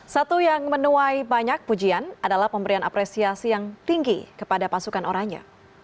satu yang menuai banyak pujian adalah pemberian apresiasi yang tinggi kepada pasukan orangnya